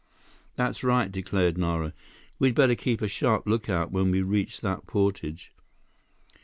"That's right," declared Nara. "We'd better keep a sharp lookout when we reach that portage."